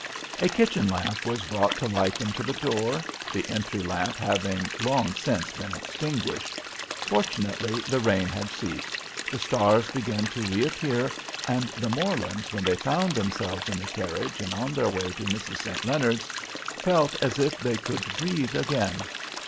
A kitchen lamp was brought to light them to the door, the entry lamp having long since been extinguished. Fortunately the rain had ceased; the stars began to reappear, and the Morlands, when they found themselves in the carriage and on their way to Mrs. St. Leonard's, felt as if they could breathe again.